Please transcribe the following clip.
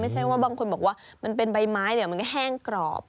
ไม่ใช่ว่าบางคนบอกว่ามันเป็นใบไม้มันก็แห้งกรอบ